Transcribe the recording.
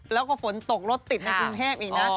แล้วก็ฝนตกรถติดในกรุงเทพอีกนะ